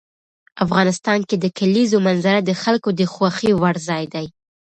افغانستان کې د کلیزو منظره د خلکو د خوښې وړ ځای دی.